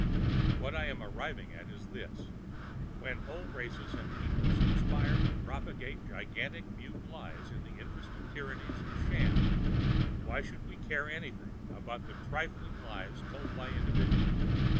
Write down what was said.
What I am arriving at is this: When whole races and peoples conspire to propagate gigantic mute lies in the interest of tyrannies and shams, why should we care anything about the trifling lies told by individuals?